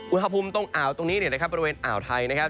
อุณหภูมิตรงอ่าวตรงนี้นะครับบริเวณอ่าวไทยนะครับ